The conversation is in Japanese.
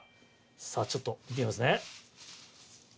ちょっと見てみますね。